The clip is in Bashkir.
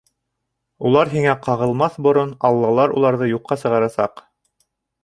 Улар һиңә ҡағылмаҫ борон, Аллалар уларҙы юҡҡа сығарасаҡ!